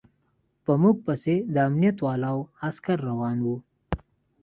په موږ پسې د امنيت والاو عسکر روان و.